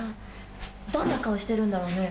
どんな顔してるんだろうね？